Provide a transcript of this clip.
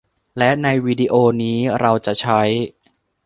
และในวิดีโอนี้ เราจะใช้